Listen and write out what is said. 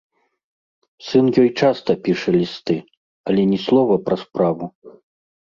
Сын ёй часта піша лісты, але ні слова пра справу.